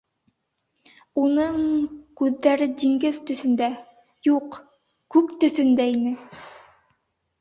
Уның... күҙҙәре диңгеҙ төҫөндә, юҡ... күк төҫөндә ине!